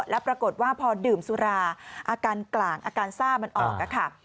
แล้วปรากฏว่าพอดื่มสุราอาการกลางอาการซ่ามันออกค่ะ